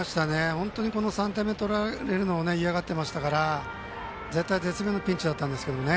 ３点目取られるのを嫌がっていましたから絶体絶命のピンチだったんですけどね。